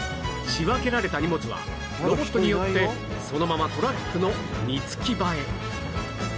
仕分けられた荷物はロボットによってそのままトラックの荷付き場へ